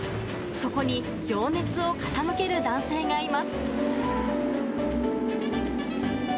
そこに、情熱を傾ける男性がいます。